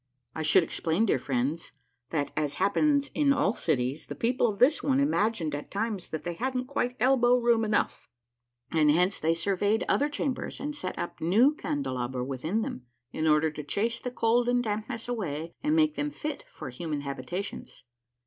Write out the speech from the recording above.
I should explain, dear friends, that, as happens in all cities, the people of this one imagined at times that they hadn't quite elbow room enough, and hence they surveyed other chambers, and set up new candelabra within them, in order to chase the cold and dampness away, and make them fit for human habitations.